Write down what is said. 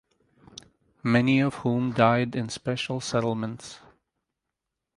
Many of whom died in special settlements.